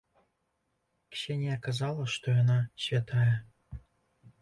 Ксенія казала, што яна святая.